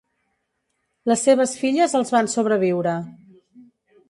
Les seves filles els van sobreviure.